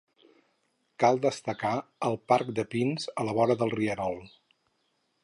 Cal destacar el parc de pins a la vora del rierol.